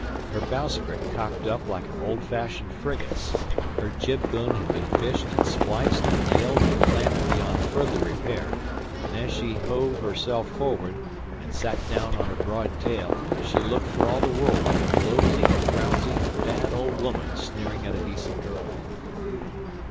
Her bowsprit cocked up like an old fashioned frigate's; her jib boom had been fished and spliced and nailed and clamped beyond further repair; and as she hove herself forward, and sat down on her broad tail, she looked for all the world like a blouzy, frouzy, bad old woman sneering at a decent girl.